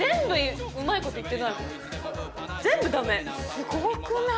すごくない？